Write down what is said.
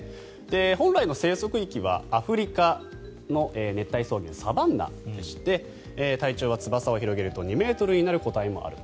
本来の生息域はアフリカの熱帯草原サバンナでして体長は翼を広げると２ｍになる個体もあると。